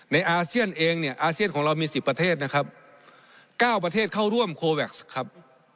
อาเซียนเองเนี่ยอาเซียนของเรามี๑๐ประเทศนะครับ๙ประเทศเข้าร่วมโคแว็กซ์ครับ